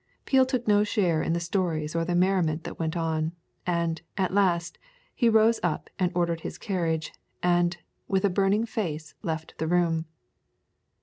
Peel took no share in the stories or the merriment that went on, and, at last, he rose up and ordered his carriage, and, with a burning face, left the room.